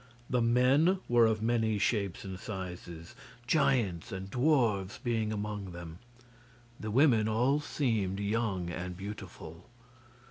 The men were of many shapes and sizes giants and dwarfs being among them. The women all seemed young and beautiful.